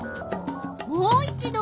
もう一ど